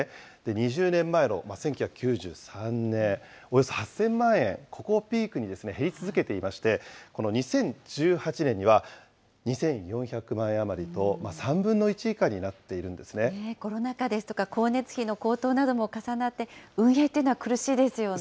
２０年前の１９９３年、およそ８０００万円、ここをピークにですね、減り続けていまして、２０１８年には２４００万円余りと、３分の１以下になっているんコロナ禍ですとか光熱費の高騰なども重なって、運営っていうのは苦しいですよね。